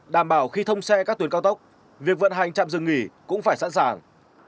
đảm bảo khi thông xe các tuyến cao tốc việc vận hành trạm dừng nghỉ cũng phải sẵn sàng